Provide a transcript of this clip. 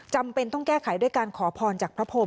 จำเป็นต้องแก้ไขด้วยการขอพรจากพระพรม